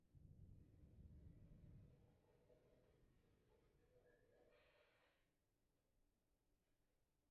Además, se ofrecen paseos y tours tanto acuáticos como terrestres.